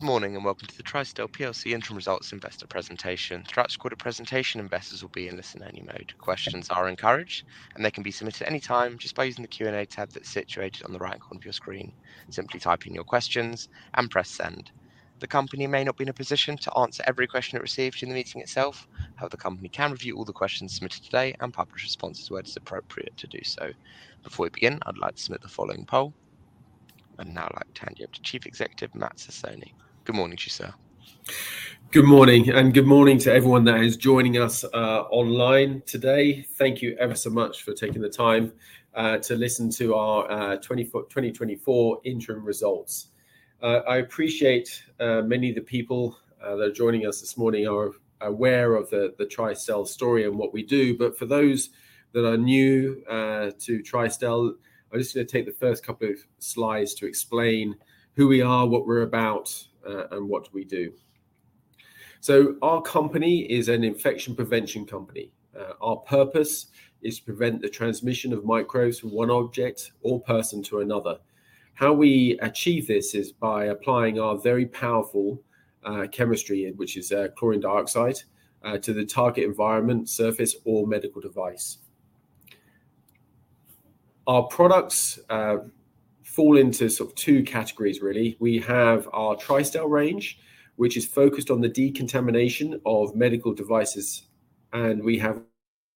Good morning and welcome to the Tristel PLC Interim Results Investor Presentation. Throughout the recorded presentation, investors will be in listen-only mode. Questions are encouraged, and they can be submitted at any time just by using the Q&A tab that's situated on the right corner of your screen. Simply type in your questions and press send. The company may not be in a position to answer every question it received in the meeting itself. However, the company can review all the questions submitted today and publish responses where it is appropriate to do so. Before we begin, I'd like to submit the following poll, and now I'd like to hand you over to Chief Executive Matt Sassone. Good morning to you, sir. Good morning and good morning to everyone that is joining us online today. Thank you ever so much for taking the time to listen to our 2024 Interim Results. I appreciate many of the people that are joining us this morning are aware of the Tristel story and what we do, but for those that are new to Tristel, I'm just going to take the first couple of slides to explain who we are, what we're about, and what we do. Our company is an infection prevention company. Our purpose is to prevent the transmission of microbes from one object or person to another. How we achieve this is by applying our very powerful chemistry, which is chlorine dioxide, to the target environment, surface, or medical device. Our products fall into sort of two categories, really. We have our Tristel range, which is focused on the decontamination of medical devices, and we have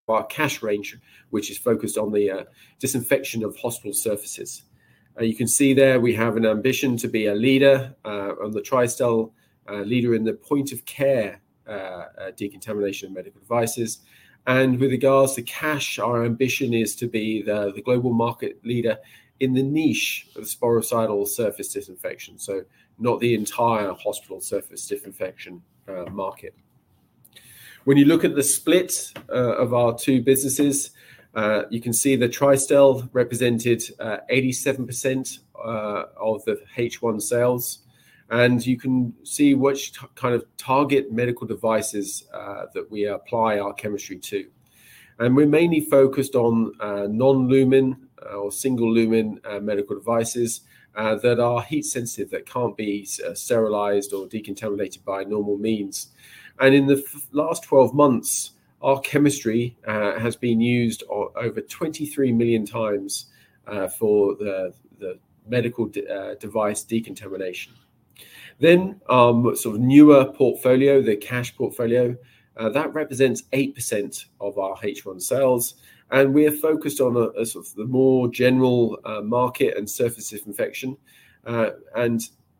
our Cache range, which is focused on the disinfection of hospital surfaces. You can see there we have an ambition to be a leader on the Tristel leader in the point-of-care decontamination of medical devices. With regards to Cache, our ambition is to be the global market leader in the niche of sporicidal surface disinfection, not the entire hospital surface disinfection market. When you look at the split of our two businesses, you can see that Tristel represented 87% of the H1 sales, and you can see which kind of target medical devices that we apply our chemistry to. We are mainly focused on non-lumen or single-lumen medical devices that are heat-sensitive, that cannot be sterilized or decontaminated by normal means. In the last 12 months, our chemistry has been used over 23 million times for the medical device decontamination. Our sort of newer portfolio, the Cache portfolio, represents 8% of our H1 sales, and we are focused on sort of the more general market and surface disinfection.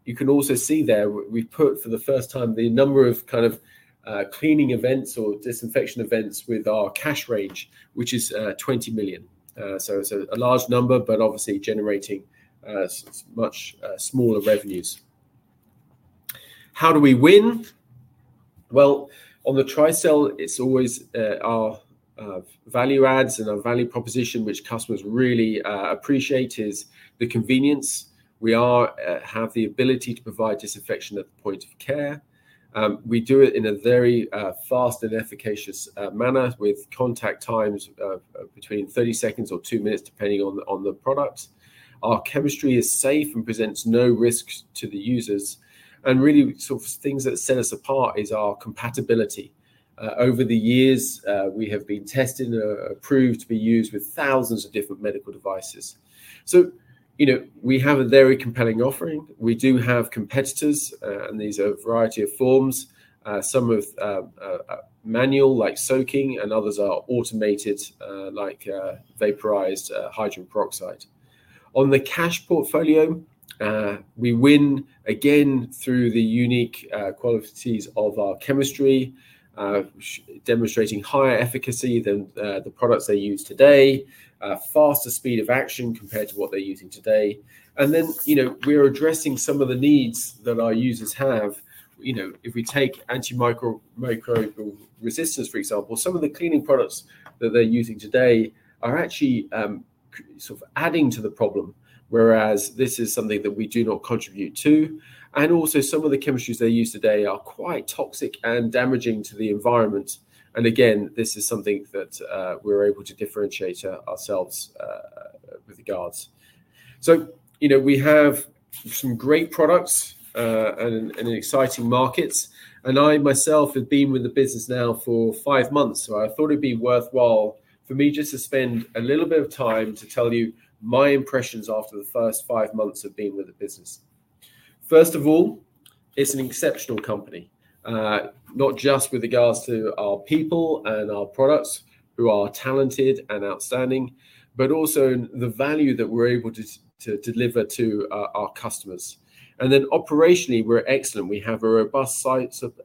You can also see there we have put for the first time the number of kind of cleaning events or disinfection events with our Cache range, which is 20 million. It is a large number, but obviously generating much smaller revenues. How do we win? On the Tristel, it is always our value adds and our value proposition, which customers really appreciate, is the convenience. We have the ability to provide disinfection at the point of care. We do it in a very fast and efficacious manner with contact times between 30 seconds or 2 minutes, depending on the product. Our chemistry is safe and presents no risks to the users. Really, sort of things that set us apart is our compatibility. Over the years, we have been tested and approved to be used with thousands of different medical devices. We have a very compelling offering. We do have competitors, and these are a variety of forms. Some are manual, like soaking, and others are automated, like vaporized hydrogen peroxide. On the Cache portfolio, we win again through the unique qualities of our chemistry, demonstrating higher efficacy than the products they use today, faster speed of action compared to what they're using today. We are addressing some of the needs that our users have. If we take antimicrobial resistance, for example, some of the cleaning products that they're using today are actually sort of adding to the problem, whereas this is something that we do not contribute to. Also, some of the chemistries they use today are quite toxic and damaging to the environment. Again, this is something that we're able to differentiate ourselves with regards. We have some great products and an exciting market. I myself have been with the business now for five months, so I thought it'd be worthwhile for me just to spend a little bit of time to tell you my impressions after the first five months of being with the business. First of all, it's an exceptional company, not just with regards to our people and our products, who are talented and outstanding, but also the value that we're able to deliver to our customers. Operationally, we're excellent. We have a robust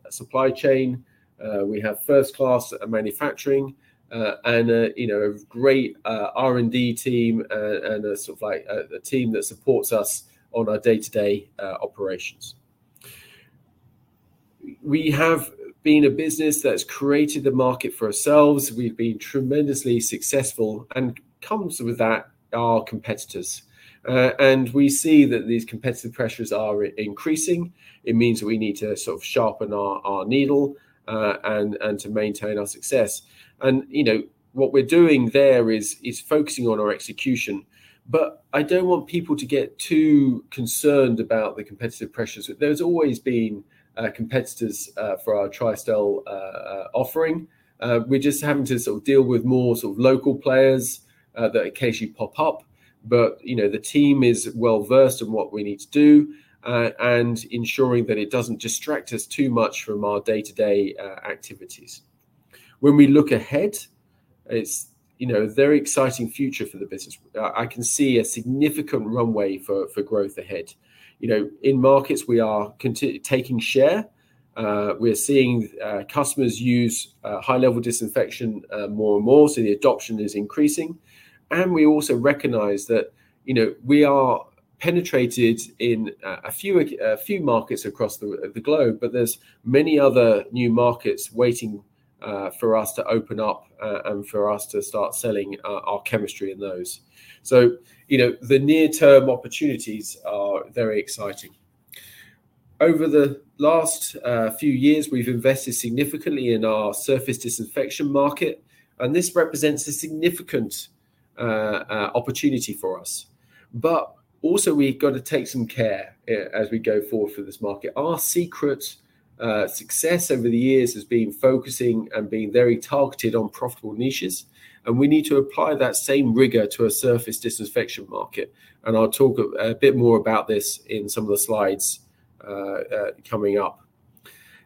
supply chain. We have first-class manufacturing and a great R&D team and a team that supports us on our day-to-day operations. We have been a business that's created the market for ourselves. We've been tremendously successful, and with that come competitors. We see that these competitive pressures are increasing. It means that we need to sort of sharpen our needle and to maintain our success. What we're doing there is focusing on our execution. I don't want people to get too concerned about the competitive pressures. There's always been competitors for our Tristel offering. We're just having to sort of deal with more sort of local players that occasionally pop up. The team is well-versed in what we need to do and ensuring that it does not distract us too much from our day-to-day activities. When we look ahead, it's a very exciting future for the business. I can see a significant runway for growth ahead. In markets, we are taking share. We're seeing customers use high-level disinfection more and more, so the adoption is increasing. We also recognize that we are penetrated in a few markets across the globe, but there are many other new markets waiting for us to open up and for us to start selling our chemistry in those. The near-term opportunities are very exciting. Over the last few years, we've invested significantly in our surface disinfection market, and this represents a significant opportunity for us. We have to take some care as we go forward for this market. Our secret success over the years has been focusing and being very targeted on profitable niches, and we need to apply that same rigor to a surface disinfection market. I'll talk a bit more about this in some of the slides coming up.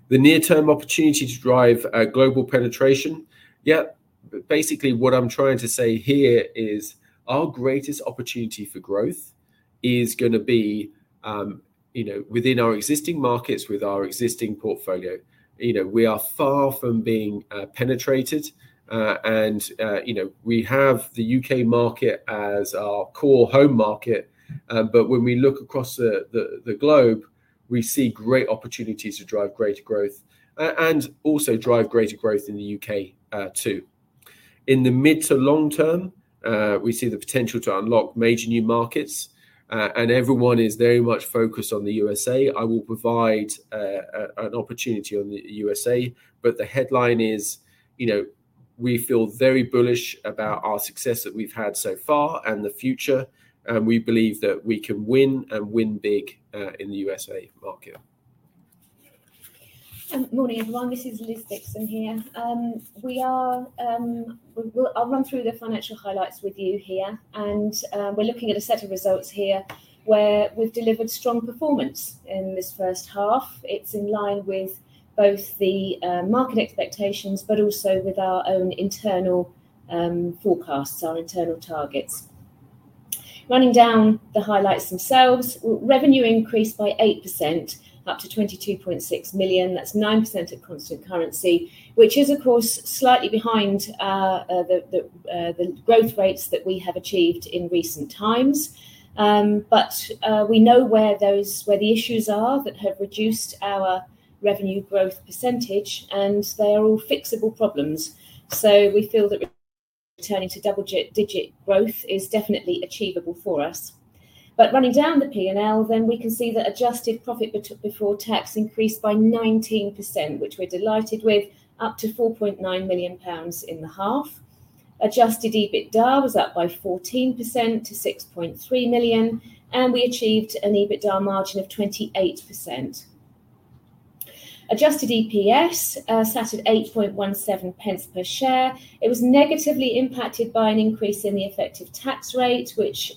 The near-term opportunity to drive global penetration. Yeah, basically what I'm trying to say here is our greatest opportunity for growth is going to be within our existing markets with our existing portfolio. We are far from being penetrated, and we have the U.K. market as our core home market. When we look across the globe, we see great opportunities to drive greater growth and also drive greater growth in the U.K. too. In the mid to long term, we see the potential to unlock major new markets, and everyone is very much focused on the USA. I will provide an opportunity on the USA, but the headline is we feel very bullish about our success that we've had so far and the future, and we believe that we can win and win big in the USA market. Morning everyone, this is Liz Dixon here. I'll run through the financial highlights with you here. We're looking at a set of results here where we've delivered strong performance in this first half. It's in line with both the market expectations, but also with our own internal forecasts, our internal targets. Running down the highlights themselves, revenue increased by 8%, up to 22.6 million. That's 9% at constant currency, which is, of course, slightly behind the growth rates that we have achieved in recent times. We know where the issues are that have reduced our revenue growth percentage, and they are all fixable problems. We feel that returning to double-digit growth is definitely achievable for us. Running down the P&L, then we can see that adjusted profit before tax increased by 19%, which we're delighted with, up to 4.9 million pounds in the half. Adjusted EBITDA was up by 14% to 6.3 million, and we achieved an EBITDA margin of 28%. Adjusted EPS sat at 8.17 pence per share. It was negatively impacted by an increase in the effective tax rate, which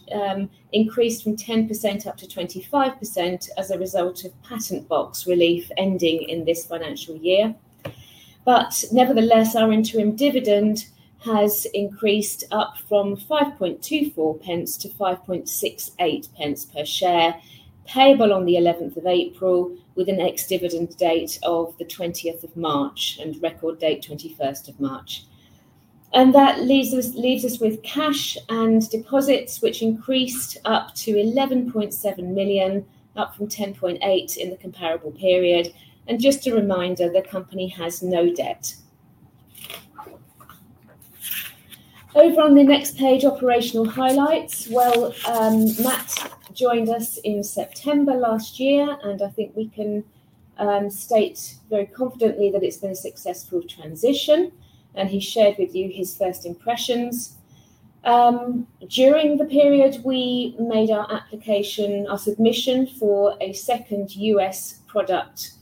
increased from 10% up to 25% as a result of Patent Box relief ending in this financial year. Nevertheless, our interim dividend has increased up from 5.24 pence to 5.68 pence per share, payable on the 11th of April, with an ex-dividend date of the 20th of March and record date 21st of March. That leaves us with cash and deposits, which increased up to 11.7 million, up from 10.8 million in the comparable period. Just a reminder, the company has no debt. Over on the next page, operational highlights. Matt joined us in September last year, and I think we can state very confidently that it's been a successful transition, and he shared with you his first impressions. During the period, we made our application, our submission for a second U.S. product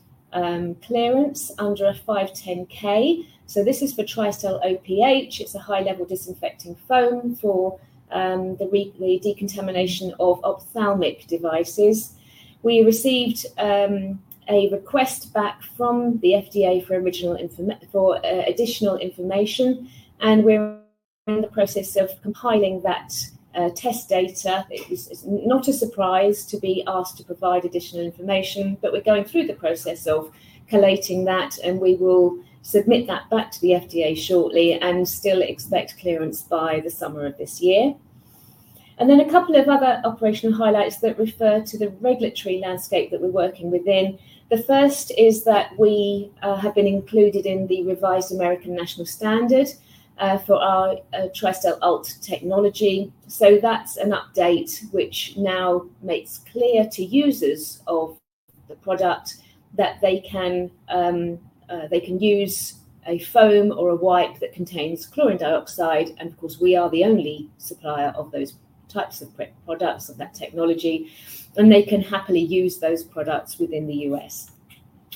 clearance under a 510(k). This is for Tristel OPH. It's a high-level disinfecting foam for the decontamination of ophthalmic devices. We received a request back from the FDA for additional information, and we're in the process of compiling that test data. It's not a surprise to be asked to provide additional information, but we're going through the process of collating that, and we will submit that back to the FDA shortly and still expect clearance by the summer of this year. A couple of other operational highlights refer to the regulatory landscape that we're working within. The first is that we have been included in the revised American National Standard for our Tristel ULT technology. That is an update which now makes clear to users of the product that they can use a foam or a wipe that contains chlorine dioxide. Of course, we are the only supplier of those types of products, of that technology, and they can happily use those products within the U.S.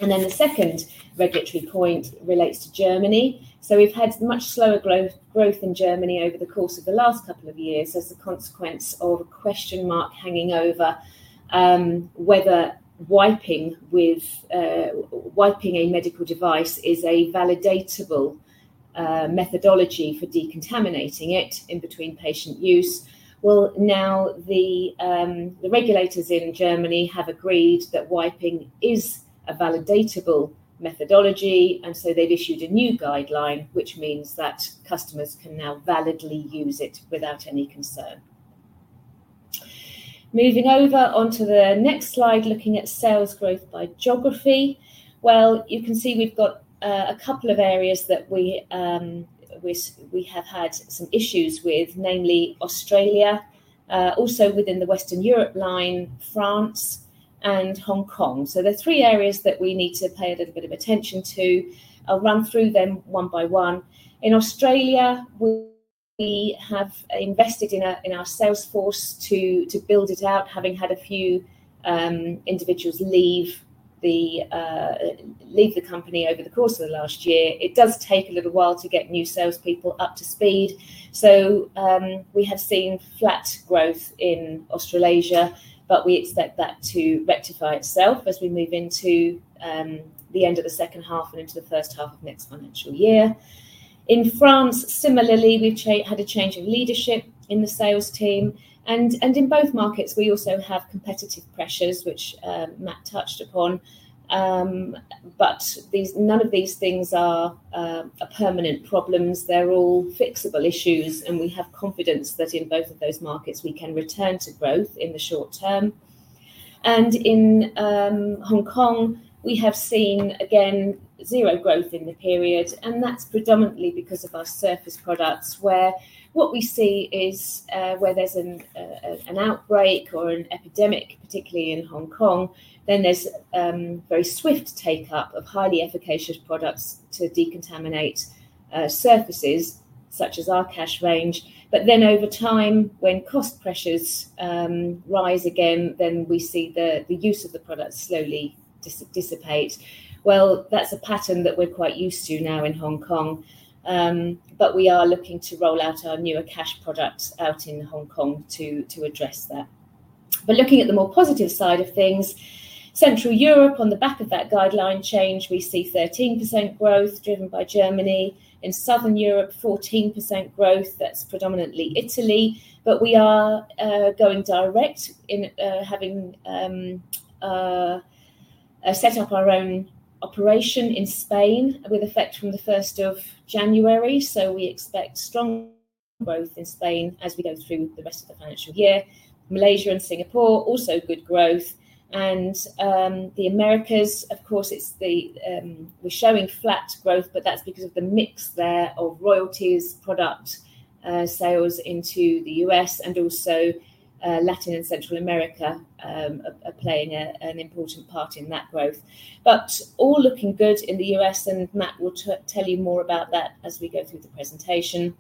The second regulatory point relates to Germany. We have had much slower growth in Germany over the course of the last couple of years as a consequence of a question mark hanging over whether wiping a medical device is a validatable methodology for decontaminating it in between patient use. Now the regulators in Germany have agreed that wiping is a validatable methodology, and so they've issued a new guideline, which means that customers can now validly use it without any concern. Moving over onto the next slide, looking at sales growth by geography. You can see we've got a couple of areas that we have had some issues with, namely Australia, also within the Western Europe line, France, and Hong Kong. There are three areas that we need to pay a little bit of attention to. I'll run through them one by one. In Australia, we have invested in our sales force to build it out, having had a few individuals leave the company over the course of the last year. It does take a little while to get new salespeople up to speed. We have seen flat growth in Australasia, but we expect that to rectify itself as we move into the end of the second half and into the first half of next financial year. In France, similarly, we have had a change of leadership in the sales team. In both markets, we also have competitive pressures, which Matt touched upon. None of these things are permanent problems. They are all fixable issues, and we have confidence that in both of those markets, we can return to growth in the short term. In Hong Kong, we have seen, again, zero growth in the period, and that is predominantly because of our surface products, where what we see is where there is an outbreak or an epidemic, particularly in Hong Kong, then there is very swift take-up of highly efficacious products to decontaminate surfaces such as our Cache range. Over time, when cost pressures rise again, we see the use of the products slowly dissipate. That is a pattern that we are quite used to now in Hong Kong, but we are looking to roll out our newer Cache products in Hong Kong to address that. Looking at the more positive side of things, Central Europe, on the back of that guideline change, we see 13% growth driven by Germany. In Southern Europe, 14% growth. That is predominantly Italy. We are going direct, having set up our own operation in Spain with effect from the 1st of January. We expect strong growth in Spain as we go through the rest of the financial year. Malaysia and Singapore, also good growth. The Americas, of course, we are showing flat growth, but that is because of the mix there of royalties, product sales into the U.S., and also Latin and Central America are playing an important part in that growth. All looking good in the U.S., and Matt will tell you more about that as we go through the presentation.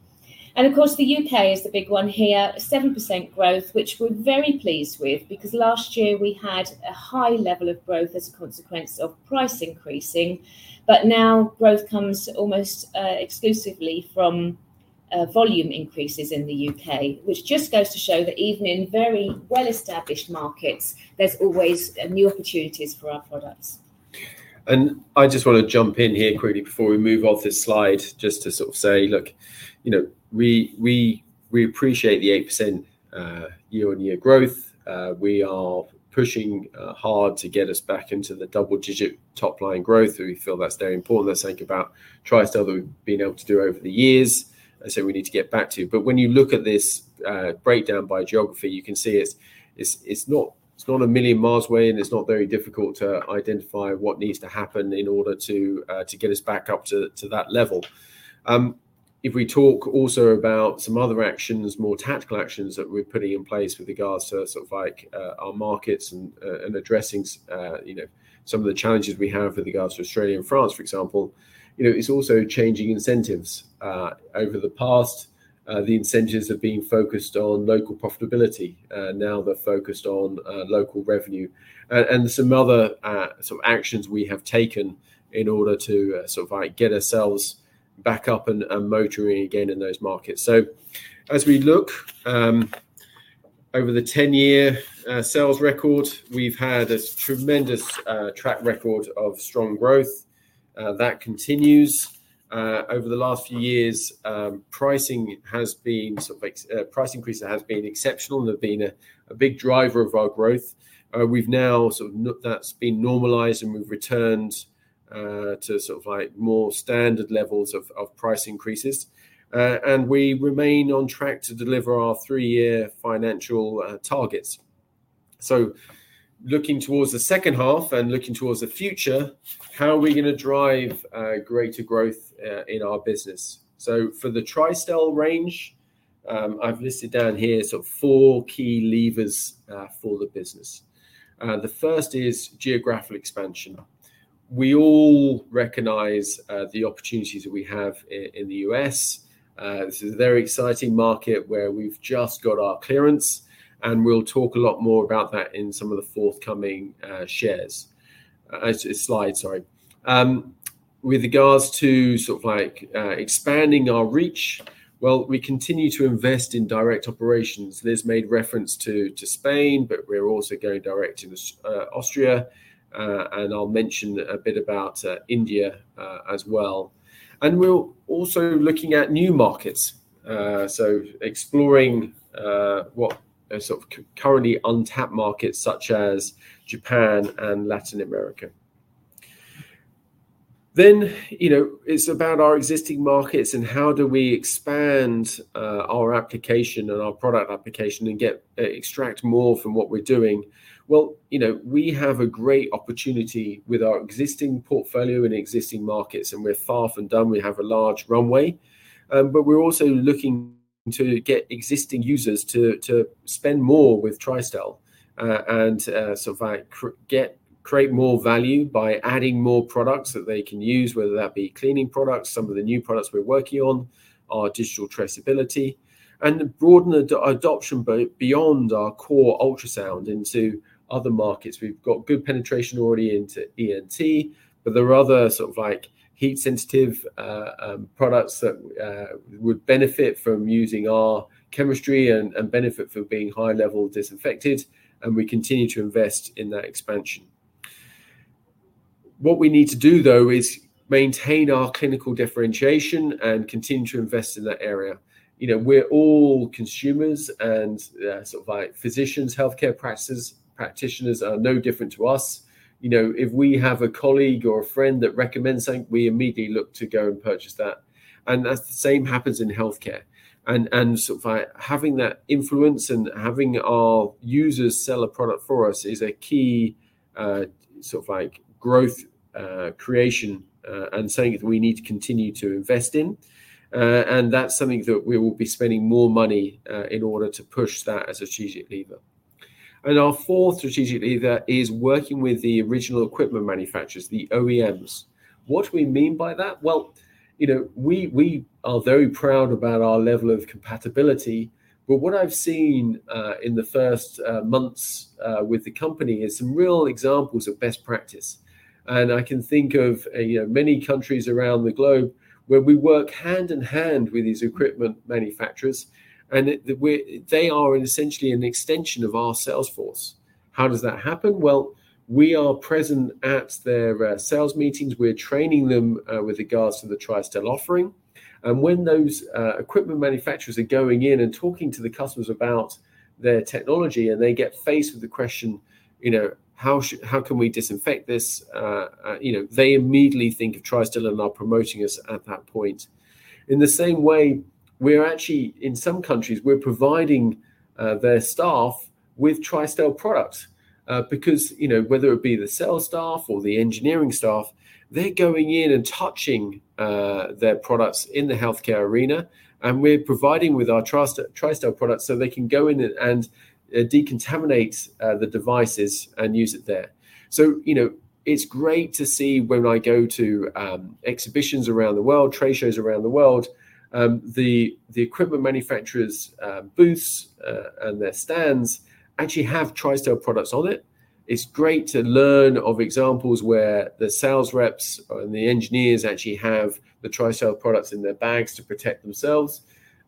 The U.K. is the big one here, 7% growth, which we are very pleased with because last year we had a high level of growth as a consequence of price increasing. Now growth comes almost exclusively from volume increases in the U.K., which just goes to show that even in very well-established markets, there are always new opportunities for our products. I just want to jump in here, quickly, before we move off this slide, just to sort of say, look, we appreciate the 8% year-on-year growth. We are pushing hard to get us back into the double-digit top-line growth. We feel that's very important. That's something about Tristel that we've been able to do over the years. I say we need to get back to. When you look at this breakdown by geography, you can see it's not a million miles away, and it's not very difficult to identify what needs to happen in order to get us back up to that level. If we talk also about some other actions, more tactical actions that we're putting in place with regards to sort of our markets and addressing some of the challenges we have with regards to Australia and France, for example, it's also changing incentives. Over the past, the incentives have been focused on local profitability. Now they're focused on local revenue. Some other sort of actions we have taken in order to sort of get ourselves back up and motoring again in those markets. As we look over the 10-year sales record, we've had a tremendous track record of strong growth. That continues. Over the last few years, pricing has been sort of price increases have been exceptional and have been a big driver of our growth. We've now sort of that's been normalized, and we've returned to more standard levels of price increases. We remain on track to deliver our three-year financial targets. Looking towards the second half and looking towards the future, how are we going to drive greater growth in our business? For the Tristel range, I've listed down here sort of four key levers for the business. The first is geographical expansion. We all recognise the opportunities that we have in the U.S. This is a very exciting market where we've just got our clearance, and we'll talk a lot more about that in some of the forthcoming slides. With regards to sort of expanding our reach, we continue to invest in direct operations. Liz made reference to Spain, but we're also going direct in Austria, and I'll mention a bit about India as well. We're also looking at new markets, so exploring what are sort of currently untapped markets such as Japan and Latin America. It's about our existing markets and how do we expand our application and our product application and extract more from what we're doing. We have a great opportunity with our existing portfolio and existing markets, and we're far from done. We have a large runway, but we're also looking to get existing users to spend more with Tristel and sort of create more value by adding more products that they can use, whether that be cleaning products. Some of the new products we're working on are digital traceability and broaden the adoption beyond our core ultrasound into other markets. We've got good penetration already into ENT, but there are other sort of heat-sensitive products that would benefit from using our chemistry and benefit from being high-level disinfected, and we continue to invest in that expansion. What we need to do, though, is maintain our clinical differentiation and continue to invest in that area. We're all consumers, and sort of physicians, healthcare practitioners are no different to us. If we have a colleague or a friend that recommends something, we immediately look to go and purchase that. That is the same that happens in healthcare. Having that influence and having our users sell a product for us is a key sort of growth creation and something that we need to continue to invest in. That is something that we will be spending more money in order to push that as a strategic lever. Our fourth strategic lever is working with the original equipment manufacturers, the OEMs. What do we mean by that? We are very proud about our level of compatibility, but what I have seen in the first months with the company is some real examples of best practice. I can think of many countries around the globe where we work hand in hand with these equipment manufacturers, and they are essentially an extension of our sales force. How does that happen? We are present at their sales meetings. We are training them with regards to the Tristel offering. When those equipment manufacturers are going in and talking to the customers about their technology and they get faced with the question, "How can we disinfect this?" they immediately think of Tristel and are promoting us at that point. In the same way, actually, in some countries, we are providing their staff with Tristel products because whether it be the sales staff or the engineering staff, they are going in and touching their products in the healthcare arena, and we are providing them with our Tristel products so they can go in and decontaminate the devices and use it there. It's great to see when I go to exhibitions around the world, trade shows around the world, the equipment manufacturers' booths and their stands actually have Tristel products on it. It's great to learn of examples where the sales reps and the engineers actually have the Tristel products in their bags to protect themselves.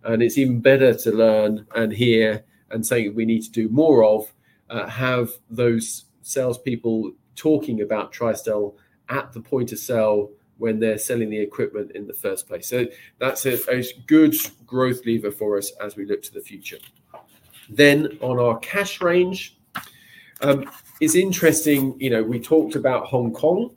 It's even better to learn and hear and say we need to do more of have those salespeople talking about Tristel at the point of sale when they're selling the equipment in the first place. That's a good growth lever for us as we look to the future. On our Cache range, it's interesting. We talked about Hong Kong,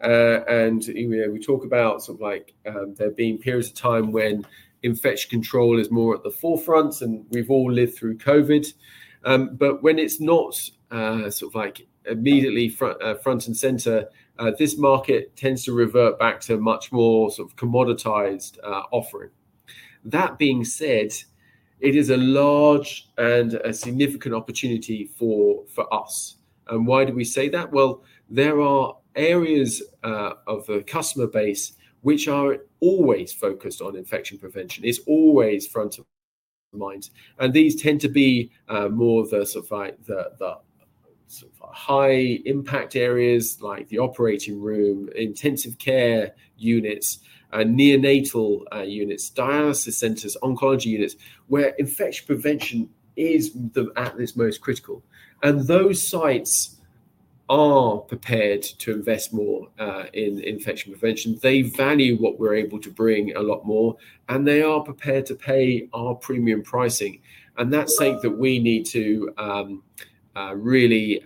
and we talk about sort of there being periods of time when infection control is more at the forefront, and we've all lived through COVID. When it's not sort of immediately front and center, this market tends to revert back to much more sort of commoditized offering. That being said, it is a large and a significant opportunity for us. Why do we say that? There are areas of the customer base which are always focused on infection prevention. It's always front of mind. These tend to be more of the high-impact areas like the operating room, intensive care units, neonatal units, dialysis centers, oncology units, where infection prevention is at its most critical. Those sites are prepared to invest more in infection prevention. They value what we're able to bring a lot more, and they are prepared to pay our premium pricing. That's something that we need to really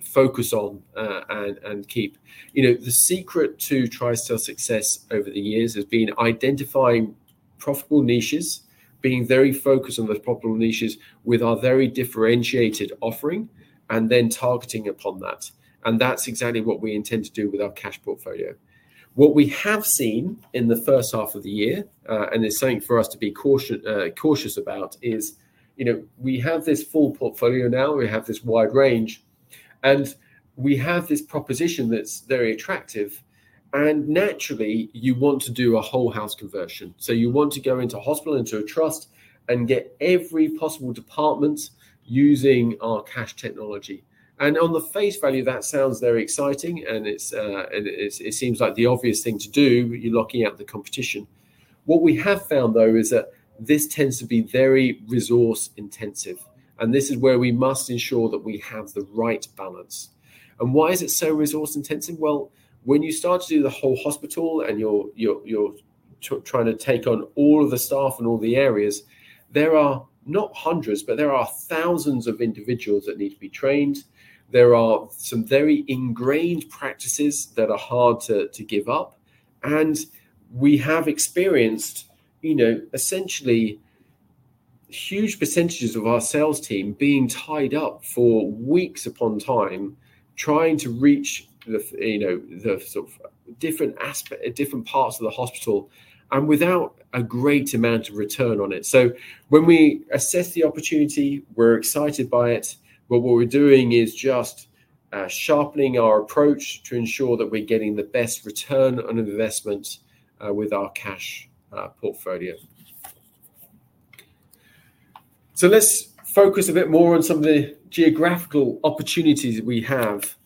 focus on and keep. The secret to Tristel's success over the years has been identifying profitable niches, being very focused on those profitable niches with our very differentiated offering, and then targeting upon that. That is exactly what we intend to do with our Cache portfolio. What we have seen in the first half of the year, and it is something for us to be cautious about, is we have this full portfolio now. We have this wide range, and we have this proposition that is very attractive. Naturally, you want to do a whole-house conversion. You want to go into a hospital, into a trust, and get every possible department using our Cache technology. On the face value, that sounds very exciting, and it seems like the obvious thing to do. You are knocking out the competition. What we have found, though, is that this tends to be very resource-intensive, and this is where we must ensure that we have the right balance. Why is it so resource-intensive? When you start to do the whole hospital and you're trying to take on all of the staff and all the areas, there are not hundreds, but there are thousands of individuals that need to be trained. There are some very ingrained practices that are hard to give up. We have experienced essentially huge percentages of our sales team being tied up for weeks upon time trying to reach the different parts of the hospital and without a great amount of return on it. When we assess the opportunity, we're excited by it. What we're doing is just sharpening our approach to ensure that we're getting the best return on investment with our Cache portfolio. Let's focus a bit more on some of the geographical opportunities we have.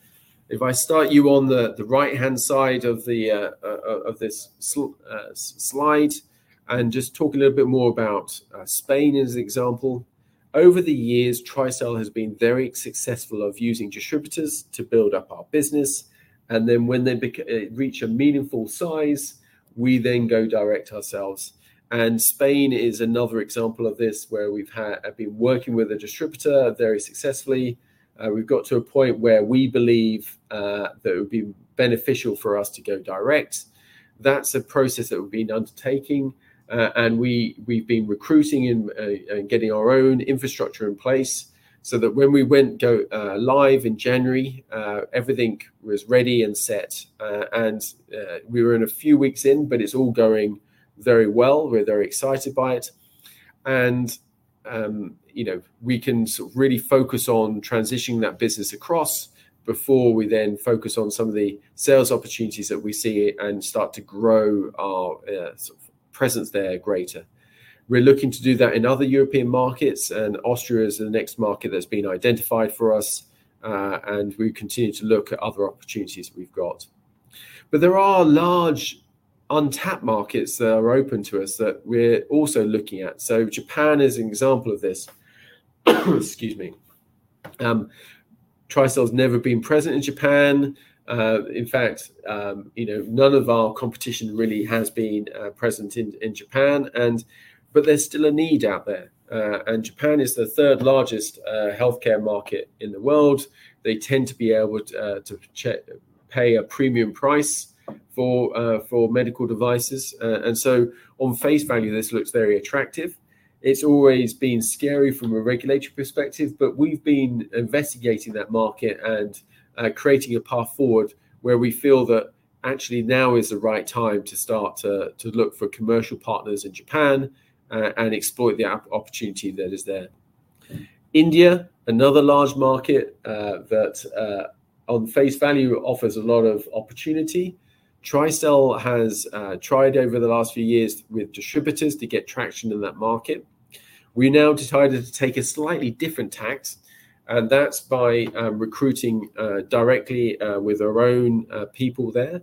If I start you on the right-hand side of this slide and just talk a little bit more about Spain as an example. Over the years, Tristel has been very successful at using distributors to build up our business. When they reach a meaningful size, we then go direct ourselves. Spain is another example of this where we've been working with a distributor very successfully. We've got to a point where we believe that it would be beneficial for us to go direct. That's a process that we've been undertaking, and we've been recruiting and getting our own infrastructure in place so that when we went live in January, everything was ready and set. We are a few weeks in, but it's all going very well. We're very excited by it. We can really focus on transitioning that business across before we then focus on some of the sales opportunities that we see and start to grow our presence there greater. We're looking to do that in other European markets, and Austria is the next market that's been identified for us. We continue to look at other opportunities we've got. There are large untapped markets that are open to us that we're also looking at. Japan is an example of this. Tristel's never been present in Japan. In fact, none of our competition really has been present in Japan, but there's still a need out there. Japan is the third-largest healthcare market in the world. They tend to be able to pay a premium price for medical devices. On face value, this looks very attractive. It's always been scary from a regulatory perspective, but we've been investigating that market and creating a path forward where we feel that actually now is the right time to start to look for commercial partners in Japan and exploit the opportunity that is there. India, another large market that on face value offers a lot of opportunity. Tristel has tried over the last few years with distributors to get traction in that market. We're now deciding to take a slightly different tact, and that's by recruiting directly with our own people there.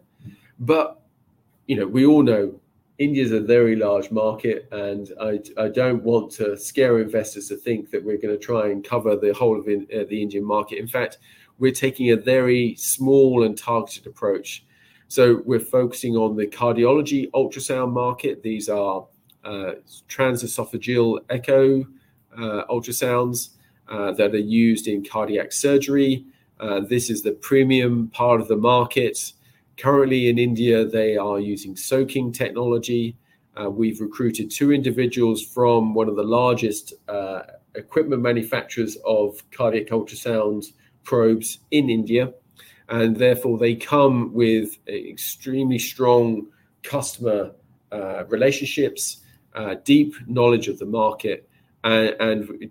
We all know India is a very large market, and I don't want to scare investors to think that we're going to try and cover the whole of the Indian market. In fact, we're taking a very small and targeted approach. We're focusing on the cardiology ultrasound market. These are transesophageal echo ultrasounds that are used in cardiac surgery. This is the premium part of the market. Currently, in India, they are using soaking technology. We've recruited two individuals from one of the largest equipment manufacturers of cardiac ultrasound probes in India. Therefore, they come with extremely strong customer relationships, deep knowledge of the market.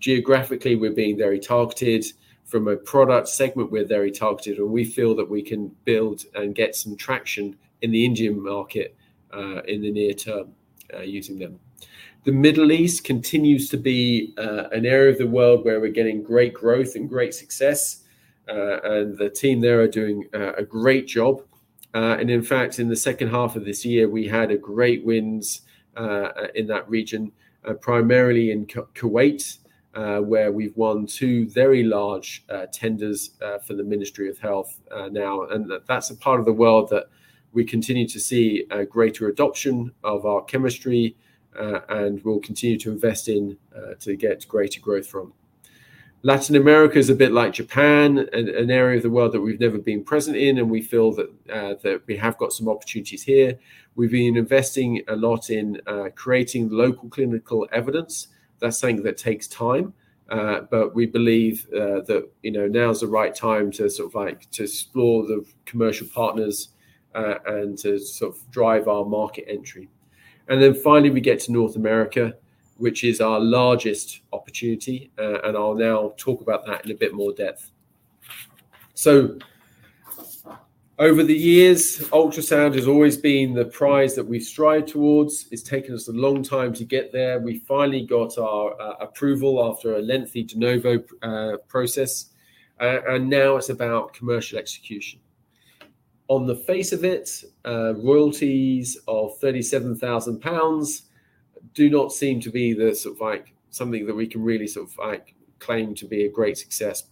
Geographically, we're being very targeted. From a product segment, we're very targeted, and we feel that we can build and get some traction in the Indian market in the near term using them. The Middle East continues to be an area of the world where we're getting great growth and great success, and the team there are doing a great job. In fact, in the second half of this year, we had great wins in that region, primarily in Kuwait, where we've won two very large tenders for the Ministry of Health now. That's a part of the world that we continue to see greater adoption of our chemistry, and we'll continue to invest in to get greater growth from. Latin America is a bit like Japan, an area of the world that we've never been present in, and we feel that we have got some opportunities here. We've been investing a lot in creating local clinical evidence. That's something that takes time, but we believe that now is the right time to sort of explore the commercial partners and to sort of drive our market entry. Finally, we get to North America, which is our largest opportunity, and I'll now talk about that in a bit more depth. Over the years, ultrasound has always been the prize that we've strived towards. It's taken us a long time to get there. We finally got our approval after a lengthy De Novo process, and now it's about commercial execution. On the face of it, royalties of 37,000 pounds do not seem to be something that we can really sort of claim to be a great success.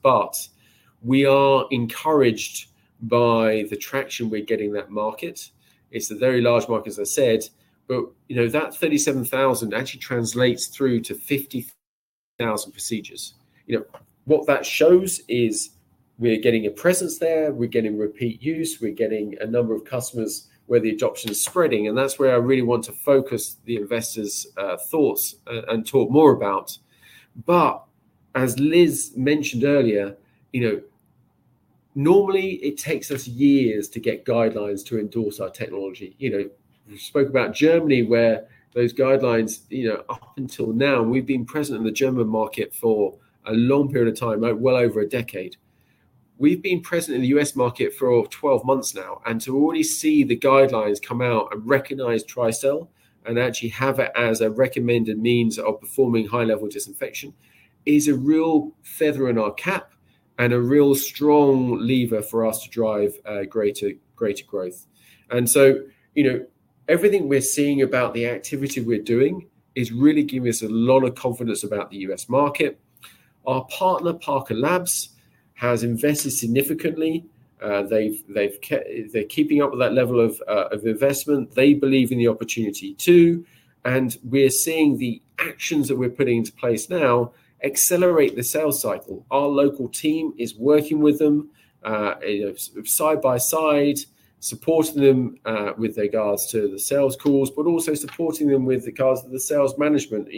We are encouraged by the traction we're getting in that market. It's a very large market, as I said, but that 37,000 actually translates through to 50,000 procedures. What that shows is we're getting a presence there. We're getting repeat use. We're getting a number of customers where the adoption is spreading, and that's where I really want to focus the investors' thoughts and talk more about. As Liz mentioned earlier, normally, it takes us years to get guidelines to endorse our technology. We spoke about Germany, where those guidelines up until now, and we've been present in the German market for a long period of time, well over a decade. We've been present in the U.S. market for 12 months now, and to already see the guidelines come out and recognize Tristel and actually have it as a recommended means of performing high-level disinfection is a real feather in our cap and a real strong lever for us to drive greater growth. Everything we're seeing about the activity we're doing is really giving us a lot of confidence about the U.S. market. Our partner, Parker Labs, has invested significantly. They're keeping up with that level of investment. They believe in the opportunity too, and we're seeing the actions that we're putting into place now accelerate the sales cycle. Our local team is working with them side by side, supporting them with regards to the sales calls, but also supporting them with regards to the sales management,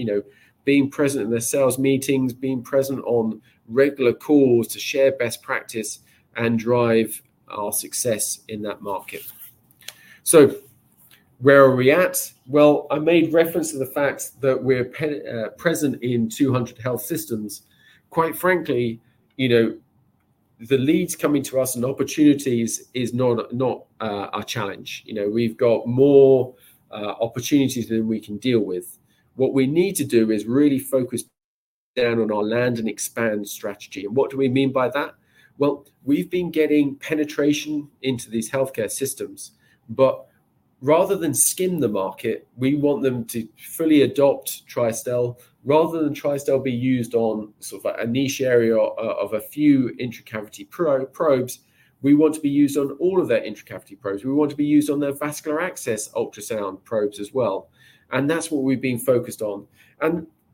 being present in the sales meetings, being present on regular calls to share best practice and drive our success in that market. Where are we at? I made reference to the fact that we're present in 200 health systems. Quite frankly, the leads coming to us and opportunities is not our challenge. We've got more opportunities than we can deal with. What we need to do is really focus down on our land and expand strategy. And what do we mean by that? We've been getting penetration into these healthcare systems, but rather than skim the market, we want them to fully adopt Tristel. Rather than Tristel be used on sort of a niche area of a few intracavity probes, we want to be used on all of their intracavity probes. We want to be used on their vascular access ultrasound probes as well. That's what we've been focused on.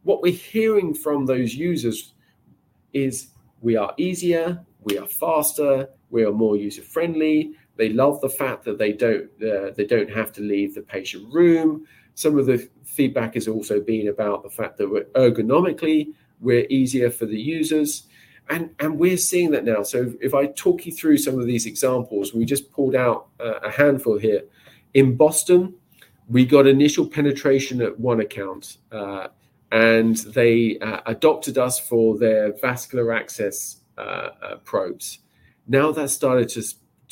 What we're hearing from those users is, "We are easier. We are faster. We are more user-friendly." They love the fact that they don't have to leave the patient room. Some of the feedback has also been about the fact that ergonomically, we're easier for the users. We're seeing that now. If I talk you through some of these examples, we just pulled out a handful here. In Boston, we got initial penetration at one account, and they adopted us for their vascular access probes. Now that's started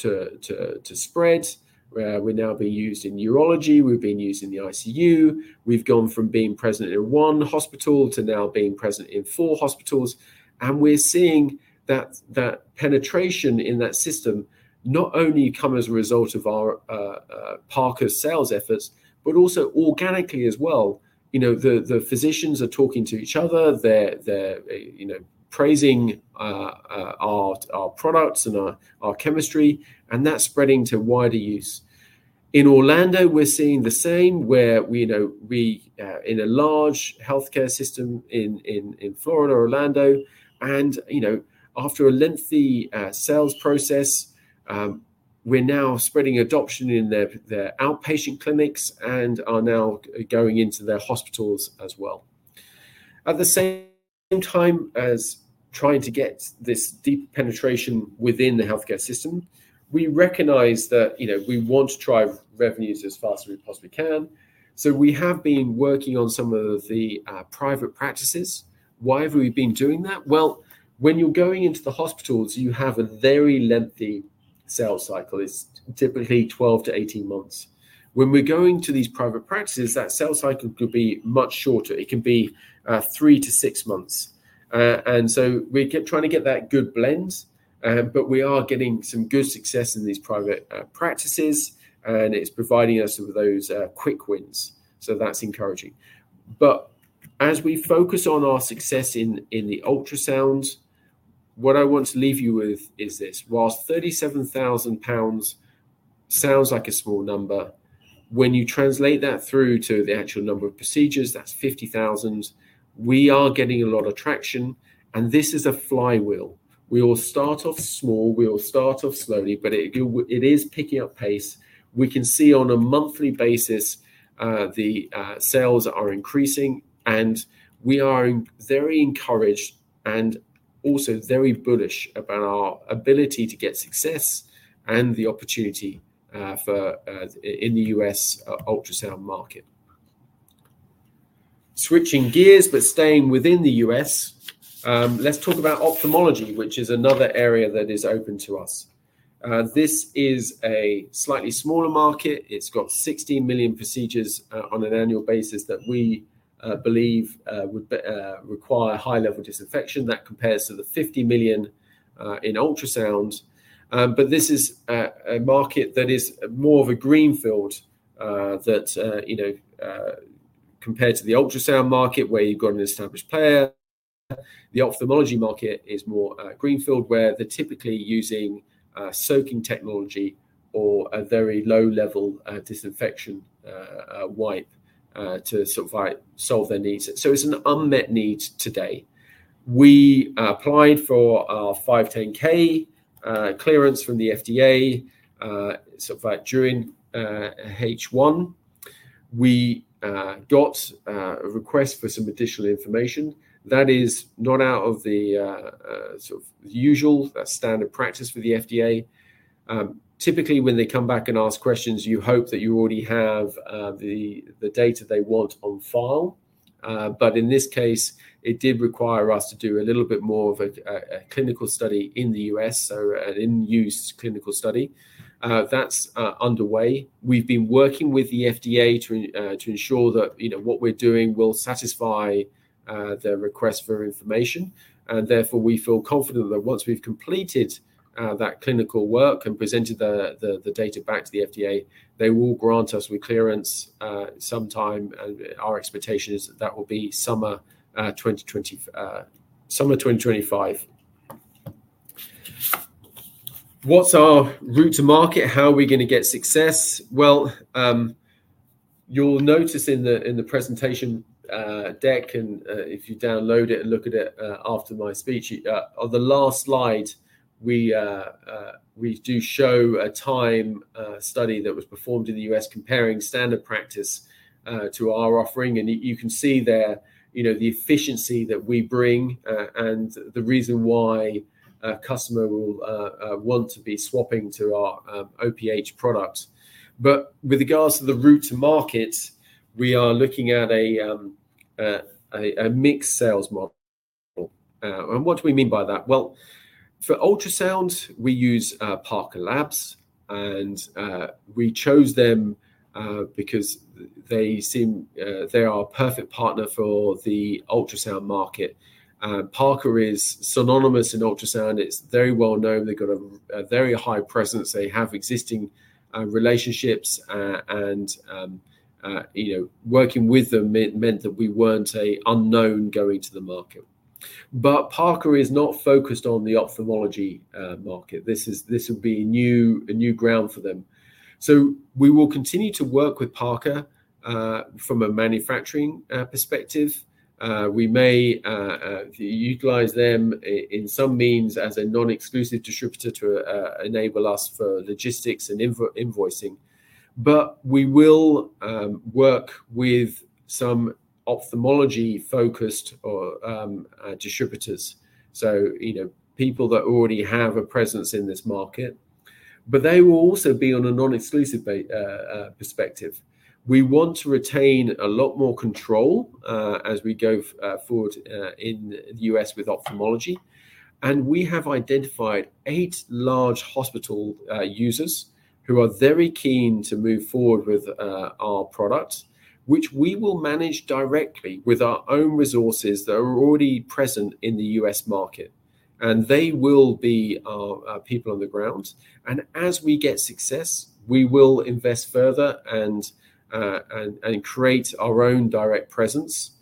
to spread. We're now being used in urology. We've been used in the ICU. We've gone from being present in one hospital to now being present in four hospitals. We're seeing that penetration in that system not only come as a result of Parker's sales efforts, but also organically as well. The physicians are talking to each other. They're praising our products and our chemistry, and that's spreading to wider use. In Orlando, we're seeing the same, where we in a large healthcare system in Florida, Orlando. After a lengthy sales process, we're now spreading adoption in their outpatient clinics and are now going into their hospitals as well. At the same time as trying to get this deep penetration within the healthcare system, we recognize that we want to drive revenues as fast as we possibly can. We have been working on some of the private practices. Why have we been doing that? Well, when you're going into the hospitals, you have a very lengthy sales cycle. It's typically 12-18 months. When we're going to these private practices, that sales cycle could be much shorter. It can be three-six months. We are trying to get that good blend, but we are getting some good success in these private practices, and it's providing us with those quick wins. That's encouraging. As we focus on our success in the ultrasound, what I want to leave you with is this. Whilst 37,000 pounds sounds like a small number, when you translate that through to the actual number of procedures, that's 50,000. We are getting a lot of traction, and this is a flywheel. We will start off small. We will start off slowly, but it is picking up pace. We can see on a monthly basis the sales are increasing, and we are very encouraged and also very bullish about our ability to get success and the opportunity in the U.S. ultrasound market. Switching gears, but staying within the U.S., let's talk about ophthalmology, which is another area that is open to us. This is a slightly smaller market. It's got 16 million procedures on an annual basis that we believe would require high-level disinfection. That compares to the 50 million in ultrasound. This is a market that is more of a greenfield compared to the ultrasound market, where you've got an established player. The ophthalmology market is more greenfield, where they're typically using soaking technology or a very low-level disinfection wipe to sort of solve their needs. It is an unmet need today. We applied for our 510(k) clearance from the FDA during H1. We got a request for some additional information. That is not out of the usual standard practice for the FDA. Typically, when they come back and ask questions, you hope that you already have the data they want on file. In this case, it did require us to do a little bit more of a clinical study in the U.S., so an in-use clinical study. That is underway. We have been working with the FDA to ensure that what we are doing will satisfy their request for information. Therefore, we feel confident that once we have completed that clinical work and presented the data back to the FDA, they will grant us with clearance sometime. Our expectation is that that will be summer 2025. What is our route to market? How are we going to get success? You will notice in the presentation deck, and if you download it and look at it after my speech, on the last slide, we do show a time study that was performed in the U.S. comparing standard practice to our offering. You can see there the efficiency that we bring and the reason why a customer will want to be swapping to our OPH product. With regards to the route to market, we are looking at a mixed sales model. What do we mean by that? For ultrasound, we use Parker Labs, and we chose them because they seem they are a perfect partner for the ultrasound market. Parker is synonymous in ultrasound. It's very well known. They've got a very high presence. They have existing relationships, and working with them meant that we weren't an unknown going to the market. Parker is not focused on the ophthalmology market. This would be new ground for them. We will continue to work with Parker from a manufacturing perspective. We may utilize them in some means as a non-exclusive distributor to enable us for logistics and invoicing. We will work with some ophthalmology-focused distributors, people that already have a presence in this market. They will also be on a non-exclusive perspective. We want to retain a lot more control as we go forward in the U.S. with ophthalmology. We have identified eight large hospital users who are very keen to move forward with our products, which we will manage directly with our own resources that are already present in the U.S. market. They will be our people on the ground. As we get success, we will invest further and create our own direct presence.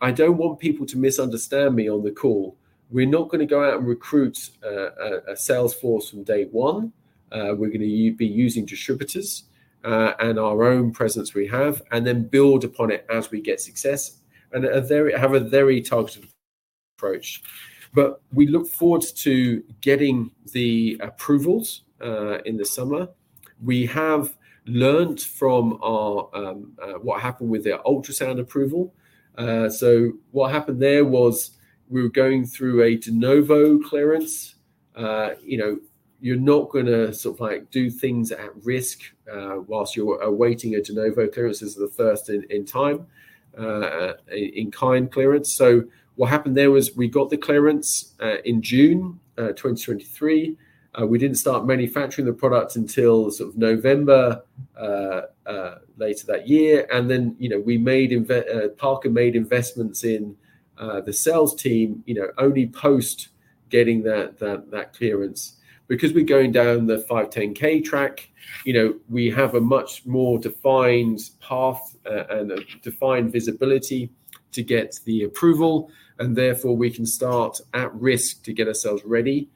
I do not want people to misunderstand me on the call. We are not going to go out and recruit a sales force from day one. We are going to be using distributors and our own presence we have, and then build upon it as we get success and have a very targeted approach. We look forward to getting the approvals in the summer. We have learned from what happened with the ultrasound approval. What happened there was we were going through a De Novo clearance. You're not going to sort of do things at risk whilst you're awaiting a De Novo clearance. This is the first in time in kind clearance. What happened there was we got the clearance in June 2023. We didn't start manufacturing the product until sort of November later that year. Parker made investments in the sales team only post getting that clearance. Because we're going down the 510(k) track, we have a much more defined path and defined visibility to get the approval. Therefore, we can start at risk to get ourselves ready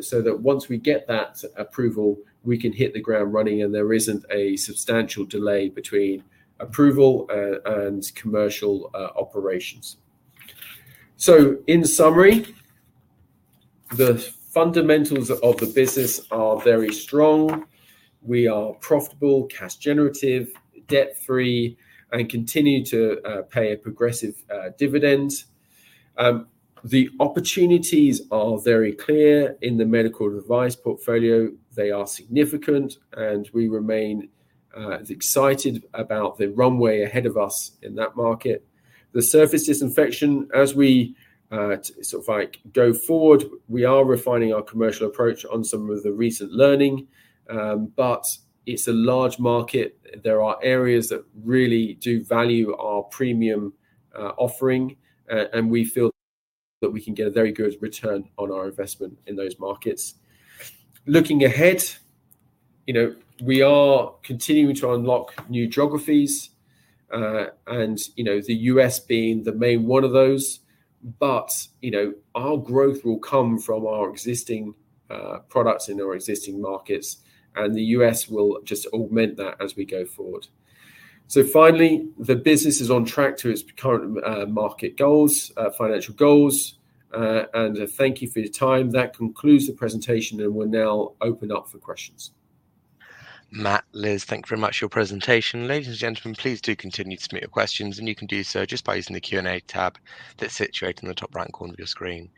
so that once we get that approval, we can hit the ground running, and there isn't a substantial delay between approval and commercial operations. In summary, the fundamentals of the business are very strong. We are profitable, cash-generative, debt-free, and continue to pay a progressive dividend. The opportunities are very clear in the medical device portfolio. They are significant, and we remain excited about the runway ahead of us in that market. The surface disinfection, as we sort of go forward, we are refining our commercial approach on some of the recent learning. It is a large market. There are areas that really do value our premium offering, and we feel that we can get a very good return on our investment in those markets. Looking ahead, we are continuing to unlock new geographies, and the U.S. being the main one of those. Our growth will come from our existing products in our existing markets, and the U.S. will just augment that as we go forward. Finally, the business is on track to its current market goals, financial goals. Thank you for your time. That concludes the presentation, and we will now open up for questions. Matt, Liz, thank you very much for your presentation. Ladies and gentlemen, please do continue to submit your questions, and you can do so just by using the Q&A tab that is situated in the top right corner of your screen.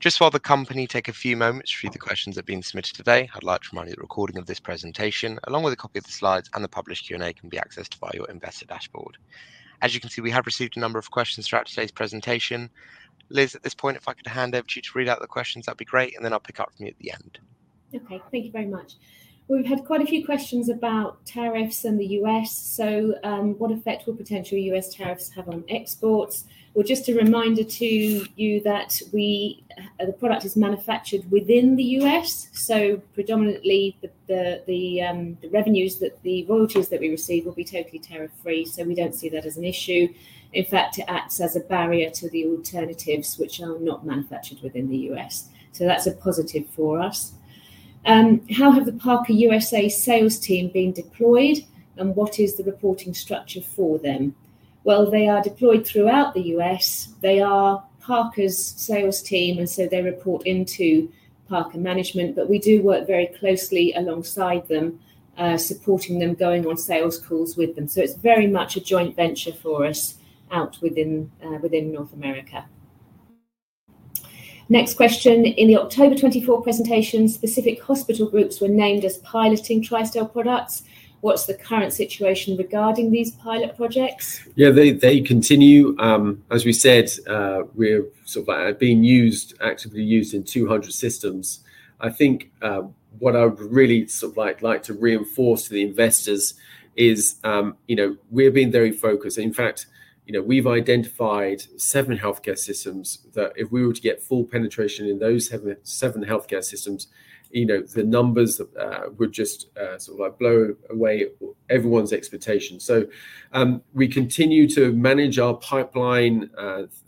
Just while the company takes a few moments to review the questions that have been submitted today, I would like to remind you that the recording of this presentation, along with a copy of the slides and the published Q&A, can be accessed via your investor dashboard. As you can see, we have received a number of questions throughout today's presentation. Liz, at this point, if I could hand over to you to read out the questions, that would be great. Then I will pick up from you at the end. Okay. Thank you very much. We've had quite a few questions about tariffs in the U.S. What effect will potential U.S. tariffs have on exports? Just a reminder to you that the product is manufactured within the U.S. Predominantly, the revenues that the royalties that we receive will be totally tariff-free. We do not see that as an issue. In fact, it acts as a barrier to the alternatives, which are not manufactured within the U.S. That is a positive for us. How have the Parker USA sales team been deployed, and what is the reporting structure for them? They are deployed throughout the U.S. They are Parker's sales team, and they report into Parker management. We do work very closely alongside them, supporting them, going on sales calls with them. It is very much a joint venture for us out within North America. Next question. In the October 2024 presentation, specific hospital groups were named as piloting Tristel products. What's the current situation regarding these pilot projects? Yeah, they continue. As we said, we're sort of being actively used in 200 systems. I think what I would really sort of like to reinforce to the investors is we're being very focused. In fact, we've identified seven healthcare systems that if we were to get full penetration in those seven healthcare systems, the numbers would just sort of blow away everyone's expectations. We continue to manage our pipeline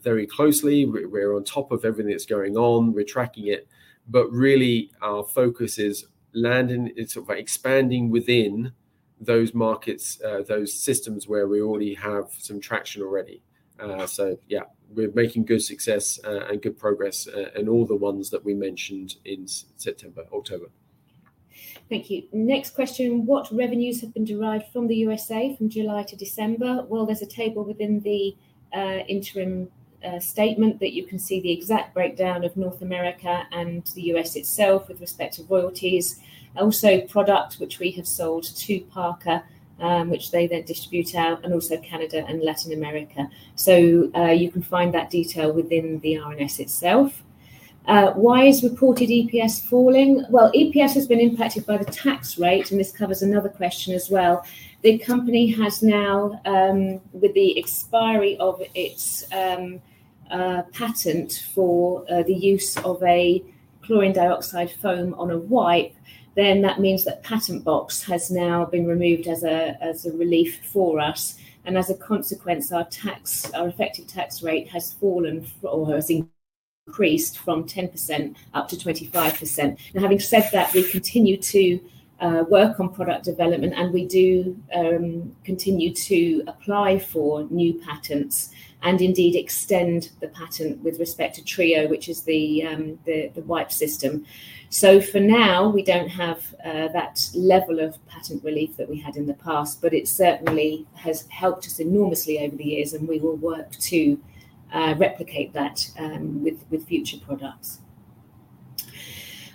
very closely. We're on top of everything that's going on. We're tracking it. Really, our focus is landing and sort of expanding within those markets, those systems where we already have some traction already. Yeah, we're making good success and good progress in all the ones that we mentioned in September, October. Thank you. Next question. What revenues have been derived from the USA from July to December? There is a table within the interim statement that you can see the exact breakdown of North America and the U.S. itself with respect to royalties. Also, products which we have sold to Parker, which they then distribute out, and also Canada and Latin America. You can find that detail within the RNS itself. Why is reported EPS falling? EPS has been impacted by the tax rate, and this covers another question as well. The company has now, with the expiry of its patent for the use of a chlorine dioxide foam on a wipe, that means that Patent Box has now been removed as a relief for us. As a consequence, our effective tax rate has increased from 10% up to 25%. Now, having said that, we continue to work on product development, and we do continue to apply for new patents and indeed extend the patent with respect to Trio, which is the wipe system. For now, we do not have that level of patent relief that we had in the past, but it certainly has helped us enormously over the years, and we will work to replicate that with future products.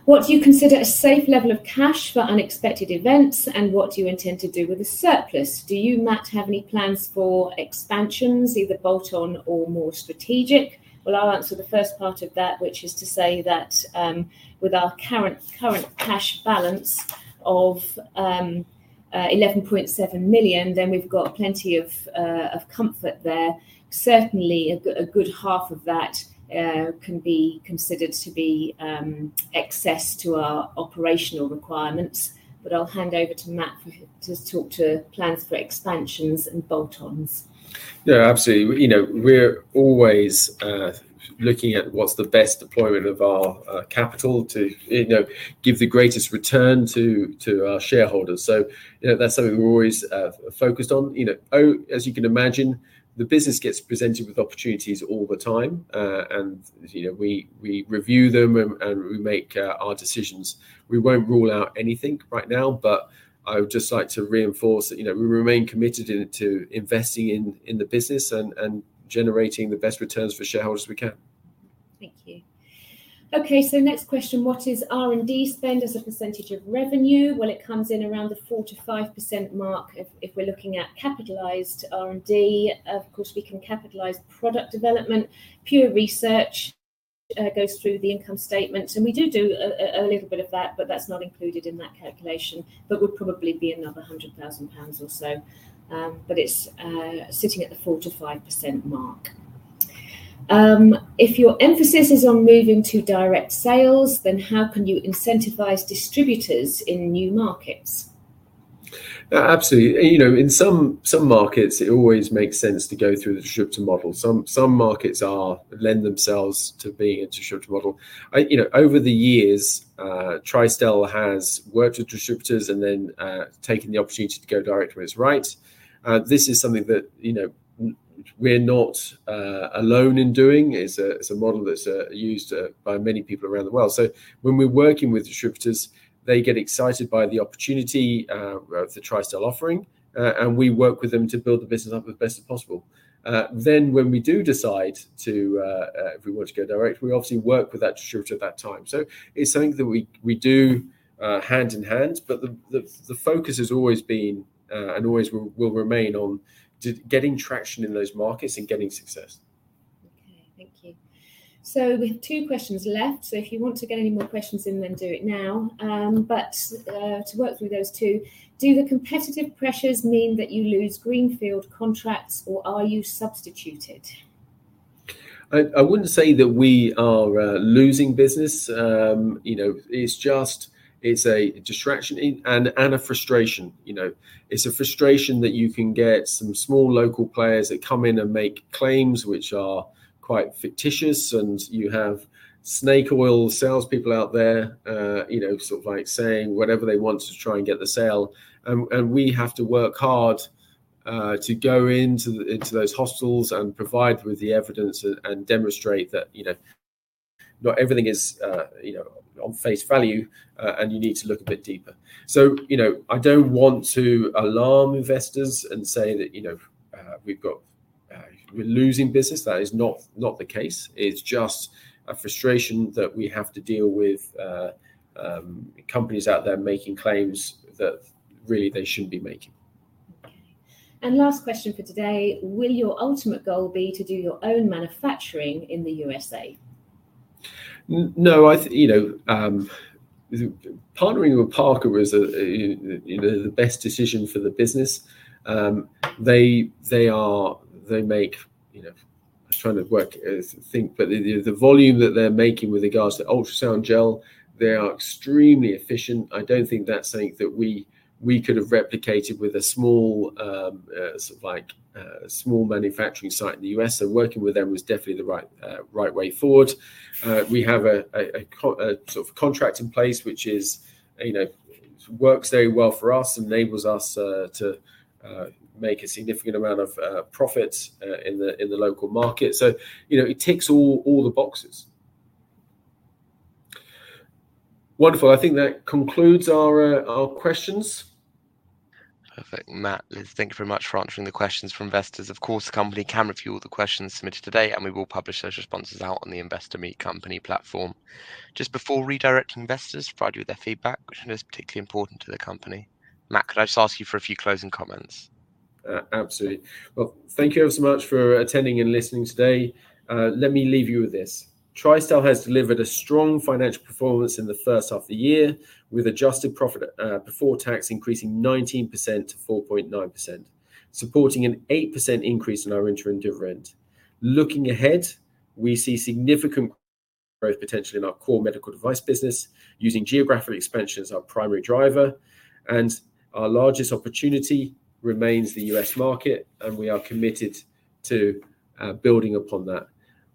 What do you consider a safe level of cash for unexpected events, and what do you intend to do with the surplus? Do you, Matt, have any plans for expansions, either bolt-on or more strategic? I will answer the first part of that, which is to say that with our current cash balance of 11.7 million, we have plenty of comfort there. Certainly, a good half of that can be considered to be excess to our operational requirements. I'll hand over to Matt to talk to plans for expansions and bolt-ons. Yeah, absolutely. We're always looking at what's the best deployment of our capital to give the greatest return to our shareholders. That's something we're always focused on. As you can imagine, the business gets presented with opportunities all the time, and we review them and we make our decisions. We won't rule out anything right now, but I would just like to reinforce that we remain committed to investing in the business and generating the best returns for shareholders we can. Thank you. Okay. Next question. What is R&D spend as a percentage of revenue? It comes in around the 4-5% mark if we're looking at capitalized R&D. Of course, we can capitalize product development. Pure research goes through the income statement. We do do a little bit of that, but that's not included in that calculation, but would probably be another 100,000 pounds or so. It's sitting at the 4-5% mark. If your emphasis is on moving to direct sales, then how can you incentivize distributors in new markets? Absolutely. In some markets, it always makes sense to go through the distributor model. Some markets lend themselves to being a distributor model. Over the years, Tristel has worked with distributors and then taken the opportunity to go direct with its rights. This is something that we're not alone in doing. It's a model that's used by many people around the world. When we're working with distributors, they get excited by the opportunity of the Tristel offering, and we work with them to build the business up as best as possible. When we do decide if we want to go direct, we obviously work with that distributor at that time. It is something that we do hand in hand, but the focus has always been and always will remain on getting traction in those markets and getting success. Okay. Thank you. We have two questions left. If you want to get any more questions in, do it now. To work through those two, do the competitive pressures mean that you lose greenfield contracts, or are you substituted? I would not say that we are losing business. It is just a distraction and a frustration. It is a frustration that you can get some small local players that come in and make claims which are quite fictitious, and you have snake oil salespeople out there sort of saying whatever they want to try and get the sale. We have to work hard to go into those hospitals and provide the evidence and demonstrate that not everything is on face value, and you need to look a bit deeper. I do not want to alarm investors and say that we are losing business. That is not the case. It is just a frustration that we have to deal with companies out there making claims that really they should not be making. Okay. Last question for today. Will your ultimate goal be to do your own manufacturing in the USA? No. Partnering with Parker was the best decision for the business. They make—I was trying to think—but the volume that they are making with regards to ultrasound gel, they are extremely efficient. I do not think that is something that we could have replicated with a small manufacturing site in the U.S. Working with them was definitely the right way forward. We have a sort of contract in place which works very well for us and enables us to make a significant amount of profits in the local market. It ticks all the boxes. Wonderful. I think that concludes our questions. Perfect. Matt, Liz, thank you very much for answering the questions for investors. Of course, the company can review all the questions submitted today, and we will publish those responses out on the Investor Meet Company platform. Just before redirecting investors to provide you with their feedback, which I know is particularly important to the company. Matt, could I just ask you for a few closing comments? Absolutely. Thank you ever so much for attending and listening today. Let me leave you with this. Tristel has delivered a strong financial performance in the first half of the year with adjusted profit before tax increasing 19% to 4.9 million, supporting an 8% increase in our interim dividend. Looking ahead, we see significant growth potential in our core medical device business, using geographic expansion as our primary driver. Our largest opportunity remains the US market, and we are committed to building upon that.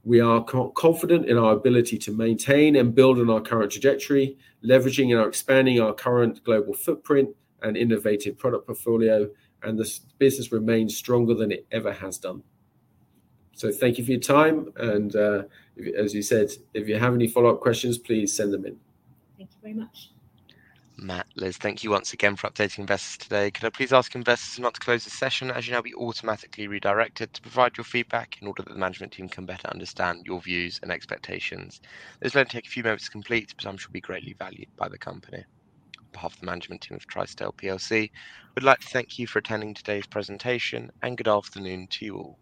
We are confident in our ability to maintain and build on our current trajectory, leveraging and expanding our current global footprint and innovative product portfolio, and the business remains stronger than it ever has done. Thank you for your time. As you said, if you have any follow-up questions, please send them in. Thank you very much. Matt, Liz, thank you once again for updating investors today. Could I please ask investors not to close the session? As you know, we automatically redirect it to provide your feedback in order that the management team can better understand your views and expectations. This may take a few moments to complete, but I'm sure it will be greatly valued by the company. On behalf of the management team of Tristel, we'd like to thank you for attending today's presentation, and good afternoon to you all.